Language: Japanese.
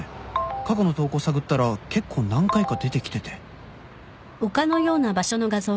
「過去の投稿探ったら結構何回か出てきてて」